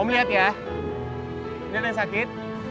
kamu lihat ya ini ada yang sakit